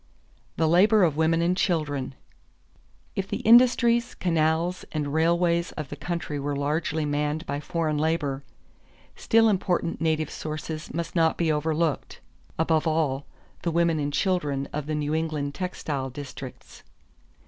The Labor of Women and Children. If the industries, canals, and railways of the country were largely manned by foreign labor, still important native sources must not be overlooked; above all, the women and children of the New England textile districts.